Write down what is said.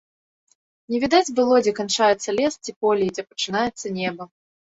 Не відаць было, дзе канчаецца лес ці поле і дзе пачынаецца неба.